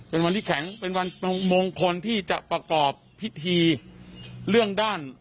เป็นวันที่แข็งเป็นวันมงคลที่จะประกอบพิธีเรื่องด้าน